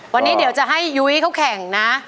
วันนี้เดี๋ยวจะให้ยุ้ยเขาแข่งนะ